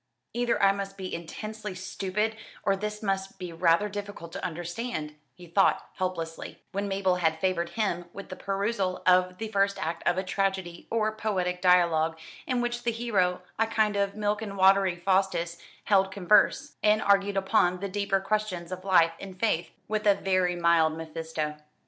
"Either I must be intensely stupid or this must be rather difficult to understand," he thought helplessly, when Mabel had favoured him with the perusal of the first act of a tragedy or poetic dialogue, in which the hero, a kind of milk and watery Faustus, held converse, and argued upon the deeper questions of life and faith, with a very mild Mephisto.